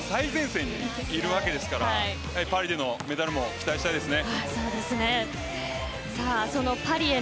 その日本が今世界の最前線にいるわけですからパリでのメダルも期待したいですね。